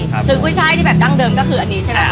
คือกุ้ยช่ายที่แบบดั้งเดิมก็คืออันนี้ใช่ไหม